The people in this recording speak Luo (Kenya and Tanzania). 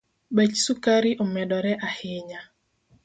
Bech sukari omedore ahinya